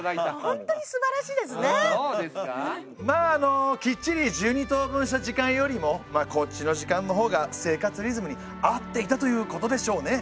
まああのきっちり１２等分した時間よりもこっちの時間のほうが生活リズムに合っていたということでしょうね。